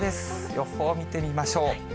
予報見てみましょう。